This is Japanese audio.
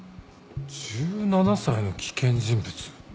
１７歳の危険人物。